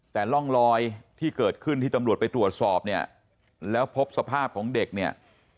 แต่ร่องรอยที่เกิดขึ้นที่ตำรวจไปตรวจสอบเนี่ยแล้วพบสภาพของเด็กเนี่ย